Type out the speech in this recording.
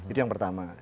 itu yang pertama